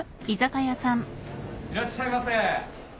・いらっしゃいませ。